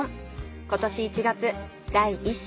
今年１月第一子